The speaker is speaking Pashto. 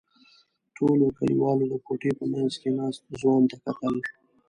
ټولو کلیوالو د کوټې په منځ کې ناست ځوان ته کتل.